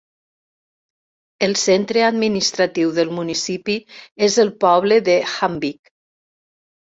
El centre administratiu del municipi és el poble de Hamnvik.